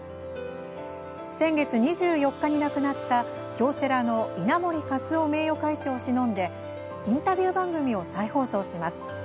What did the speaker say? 先月２４日に亡くなった京セラの稲盛和夫名誉会長をしのんでインタビュー番組を再放送します。